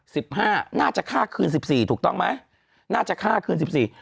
สิบห้าน่าจะฆ่าคืนสิบสี่ถูกต้องไหมน่าจะฆ่าคืนสิบสี่